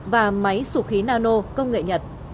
và máy sụp khí nano công nghệ nhật